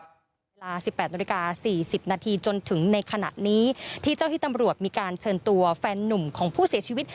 เวลา๑๘นาฬิกา๔๐นาทีจนถึงในขณะนี้ที่เจ้าที่ตำรวจมีการเชิญตัวแฟนนุ่มของผู้เสียชีวิต